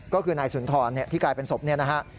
ก็คือนายสุนทรที่กลายเป็นศพเนี่ยนะฮะ